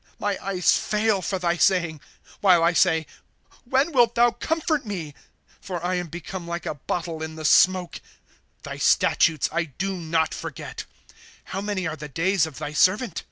' My eyes fail for thy saying, While I say : When wilt thou comfort me !* For I am become like a bottle in the smoke ; Thy statutes I do not forget. ^ How many are the days of thy servant?